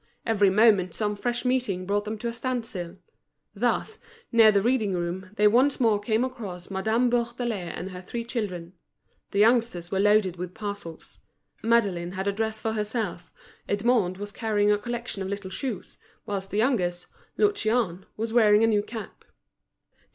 Every moment some fresh meeting brought them to a standstill. Thus, near the reading room, they once more came across Madame Bourdelais and her three children. The youngsters were loaded with parcels: Madeline had a dress for herself, Edmond was carrying a collection of little shoes, whilst the youngest, Lucien, was wearing a new cap.